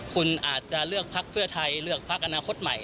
คุณอาจจะเลือกพักเพื่อไทยเลือกพักอนาคตใหม่